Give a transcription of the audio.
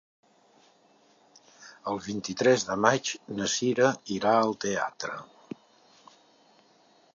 El vint-i-tres de maig na Sira irà al teatre.